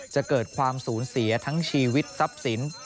จะเกิดความสูญเสียทั้งชีวิตทรัพย์สิน